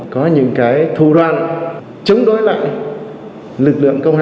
có những cái thủ đoàn chống đối lại lực lượng công hàng